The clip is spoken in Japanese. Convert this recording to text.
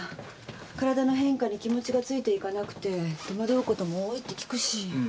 体の変化に気持ちがついていかなくて戸惑うことも多いって聞くし。